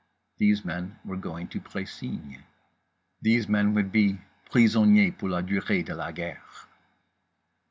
These men were going to Précigne. These men would be prisonniers pour la durée de la guerre.